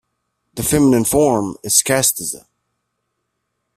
The feminine form is castiza.